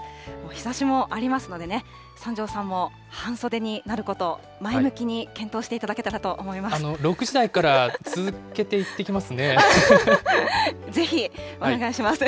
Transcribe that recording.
日ざしもありますのでね、三條さんも半袖になることを前向きに検討していただけたらと思い６時台から、続けて言ってきぜひお願いします。